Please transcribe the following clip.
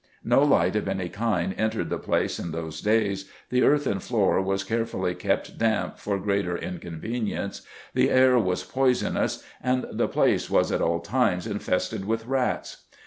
No light of any kind entered the place in those days, the earthen floor was carefully kept damp for greater inconvenience, the air was poisonous, and the place was at all times infested with rats.